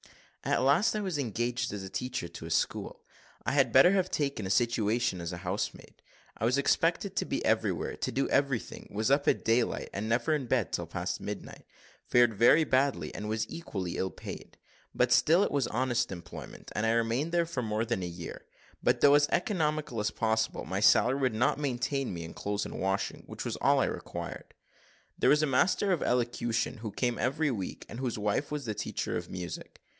"At last I was engaged as teacher to a school. I had better have taken a situation as housemaid. I was expected to be everywhere, to do everything was up at daylight, and never in bed till past midnight: fared very badly, and was equally ill paid but still it was honest employment, and I remained there for more than a year; but, though as economical as possible, my salary would not maintain me in clothes and washing, which was all I required. There was a master of elocution, who came every week, and whose wife was the teacher of music.